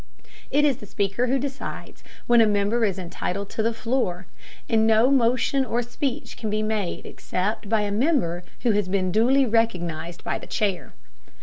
It is the Speaker who decides when a member is entitled to the floor, and no motion or speech can be made except by a member who has been duly recognized by the chair.